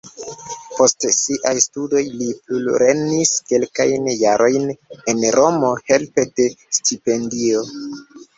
Post siaj studoj li plulernis kelkajn jarojn en Romo helpe de stipendio.